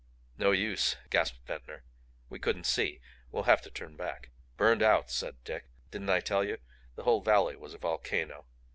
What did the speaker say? "No use," gasped Ventnor. "We couldn't see. We'll have to turn back." "Burned out!" said Dick. "Didn't I tell you? The whole valley was a volcano.